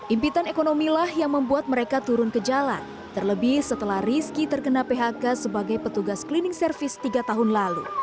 impitan ekonomi lah yang membuat mereka turun ke jalan terlebih setelah rizky terkena phk sebagai petugas cleaning service tiga tahun lalu